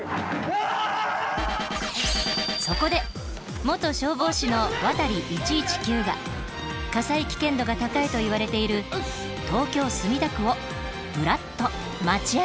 そこで元消防士のワタリ１１９が火災危険度が高いといわれている東京・墨田区をブラッと町歩き。